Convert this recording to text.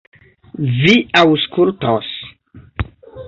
Vi aŭskultos!